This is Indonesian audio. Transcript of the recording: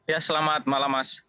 ya selamat malam mas